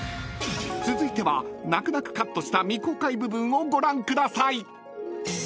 ［続いては泣く泣くカットした未公開部分をご覧ください］